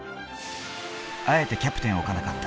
あえてキャプテンを置かなかった